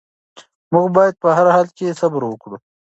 موږ باید په هر حال کې صبر وکړو.